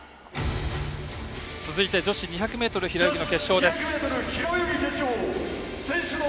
続いて女子２００ｍ平泳ぎの決勝。